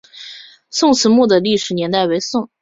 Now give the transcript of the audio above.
宋慈墓的历史年代为宋。